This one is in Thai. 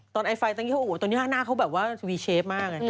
ตอนไอไฟแต้งกิ้วตอนนี้หน้าเขาแบบว่าวีเชฟมาก